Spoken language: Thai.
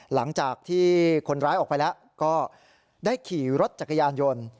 หลังจากที่คนร้ายออกไปแล้วก็ได้ขี่รถจักรยานยนต์